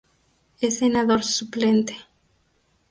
Es senador suplente.